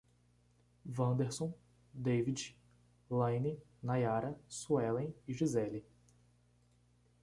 Vanderson, Devid, Laine, Naiara, Suelen e Giseli